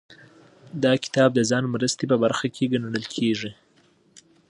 دا کتاب د ځان مرستې په برخه کې ګڼل کیږي.